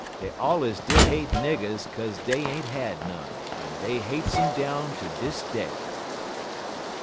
Dey allers did hate niggers kase dey ain't had none, en dey hates um down ter dis day.